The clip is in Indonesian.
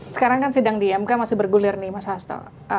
sekarang kan sidang di mk masih bergulir nih mas hasto